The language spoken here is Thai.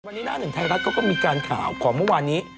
วันนี้หน้าหนึ่งไทยรัฐเขาก็มีการข่าวของเมื่อวานนี้